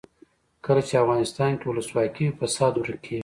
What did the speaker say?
کله چې افغانستان کې ولسواکي وي فساد ورک کیږي.